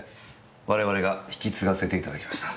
我々が引き継がせていただきました。